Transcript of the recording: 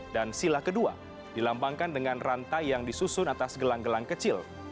dan sila kedua dilambangkan dengan rantai yang disusun atas gelang gelang kecil